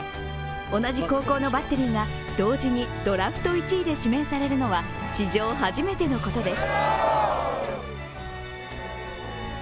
同じ高校のバッテリーが同時にドラフト１位で指名されるのは史上初めてのことです。